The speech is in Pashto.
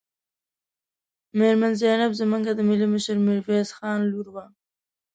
میرمن زینب زموږ د ملي مشر میرویس خان لور وه.